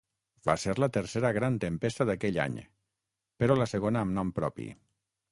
Va ser la tercera gran tempesta d'aquell any però la segona amb nom propi.